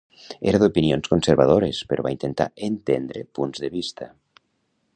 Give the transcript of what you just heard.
Era d'opinions conservadores, però va intentar entendre punts de vista.